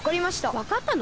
わかったの？